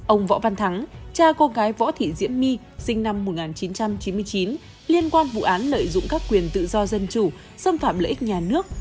ông võ văn thắng cha cô gái võ thị diễm my sinh năm một nghìn chín trăm chín mươi chín liên quan vụ án lợi dụng các quyền tự do dân chủ xâm phạm lợi ích nhà nước